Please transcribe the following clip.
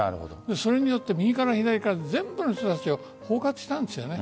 それによって右から左へ全部の人たちが包括したんです。